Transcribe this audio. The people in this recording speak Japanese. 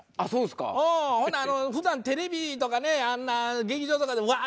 ほな普段テレビとかねあんな劇場とかでワー！